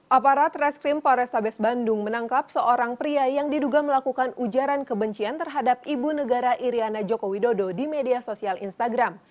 aparat reskrim polrestabes bandung menangkap seorang pria yang diduga melakukan ujaran kebencian terhadap ibu negara iryana joko widodo di media sosial instagram